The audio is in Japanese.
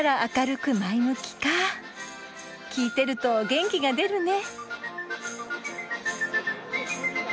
聴いてると元気が出るね。